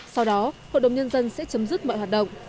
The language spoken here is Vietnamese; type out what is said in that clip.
sau đó hội đồng nhân dân sẽ chấm dứt mọi hoạt động